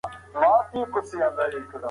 ام سلطان د سرطان د تجربې په اړه خبرې کوي.